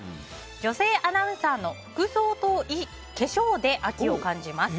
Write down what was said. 女性アナウンサーの服装と化粧で秋を感じます。